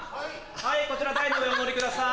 こちら台の上お乗りください。